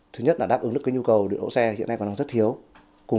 thứ nhất là đáp ứng được nhu cầu đỗ xe hiện nay còn rất thiếu